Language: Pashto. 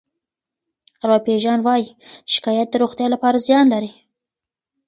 ارواپيژان وايي شکایت د روغتیا لپاره زیان لري.